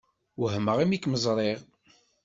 Wehmeɣ imi kem-ẓṛiɣ.